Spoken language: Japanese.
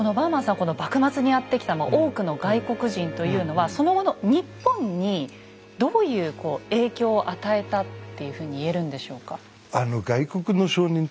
この幕末にやって来た多くの外国人というのはその後の日本にどういう影響を与えたっていうふうに言えるんでしょうか。